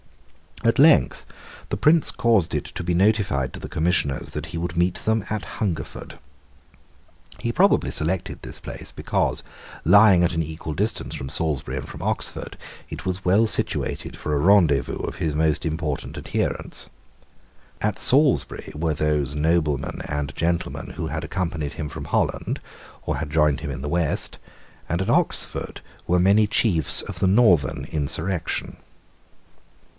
At length the Prince caused it to be notified to the Commissioners that he would meet them at Hungerford. He probably selected this place because, lying at an equal distance from Salisbury and from Oxford, it was well situated for a rendezvous of his most important adherents. At Salisbury were those noblemen and gentlemen who had accompanied him from Holland or had joined him in the West; and at Oxford were many chiefs of the Northern insurrection.